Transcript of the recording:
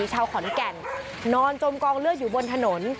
ชาวขอนแก่นนอนจมกองเลือดอยู่บนถนน